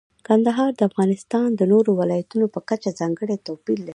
کندهار د افغانستان د نورو ولایاتو په کچه ځانګړی توپیر لري.